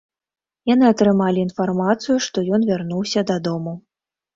Яны атрымалі інфармацыю, што ён вярнуўся дадому.